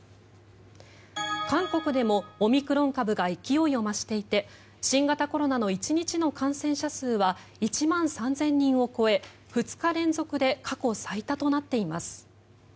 韓国でもオミクロン株が勢いを増していて新型コロナの１日の感染者数は１万３０００人を超え２日連続で過去最多となっています。